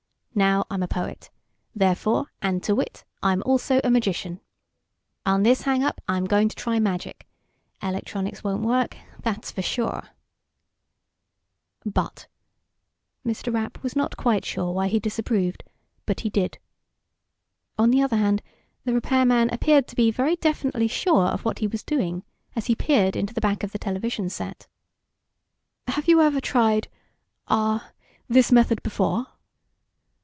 Now, I'm a poet. Therefore, and to wit, I'm also a magician. On this hangup, I'm going to try magic. Electronics won't work, that's for sure." "But...." Mr. Rapp was not quite sure why he disapproved, but he did. On the other hand, the repairman appeared to be very definitely sure of what he was doing, as he peered into the back of the television set. "Have you ever tried ... ah, this method before?"